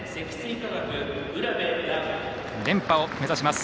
連覇を目指します